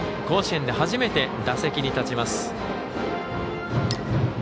甲子園で初めて打席に立ちます。